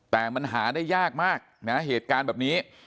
แต่มันหาได้ยากมากนะเหตุการณ์แบบนี้